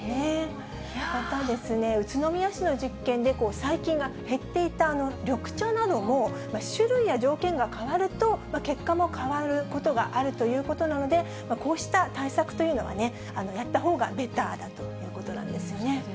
また、宇都宮市の実験で、細菌が減っていた緑茶なども、種類や条件が変わると、結果も変わることがあるということなので、こうした対策というのは、やったほうがベターだということなんですよね。